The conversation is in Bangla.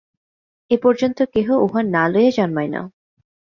এ-পর্যন্ত কেহ উহা না লইয়া জন্মায় না।